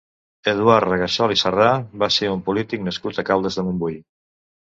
Eduard Ragasol i Sarrà va ser un polític nascut a Caldes de Montbui.